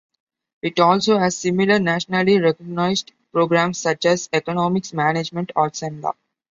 It also has similar nationally recognized programs such as economics, management, arts and law.